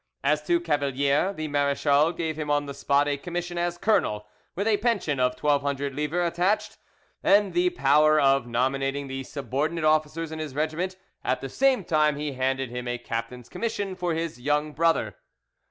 As to Cavalier, the marechal gave him on the spot a commission as colonel, with a pension of 1200 livres attached, and the power of nominating the subordinate officers in his regiment, and at the same time he handed him a captain's commission for his young brother.